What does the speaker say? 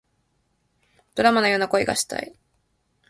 ドラマのような恋がしたい